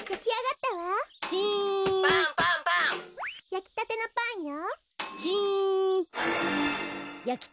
やきたてのパンよ。